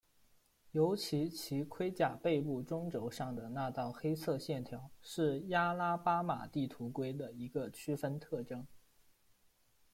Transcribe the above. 尤其其盔甲背部中轴上的那道黑色线条是亚拉巴马地图龟的一个区分特征。